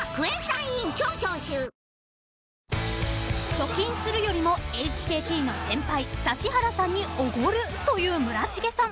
［貯金するよりもＨＫＴの先輩指原さんにおごるという村重さん］